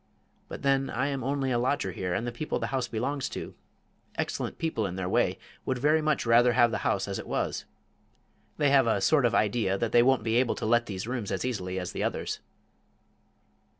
But then I am only a lodger here, and the people the house belongs to excellent people in their way would very much rather have the house as it was. They have a sort of idea that they won't be able to let these rooms as easily as the others."